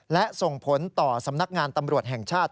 และส่งผลต่อสำนักงานตำรวจแห่งชาติ